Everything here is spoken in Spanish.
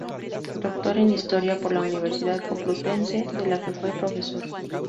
Doctor en Historia por la Universidad Complutense, de la que fue profesor.